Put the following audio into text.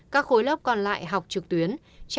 các khối lớp còn lại học trực tuyến